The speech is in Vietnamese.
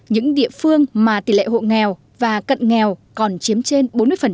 những địa phương mà tỷ lệ hộ nghèo và cận nghèo còn chiếm trên bốn mươi